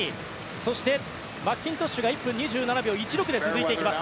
そして、マッキントッシュが１分２７秒１６で続いていきます。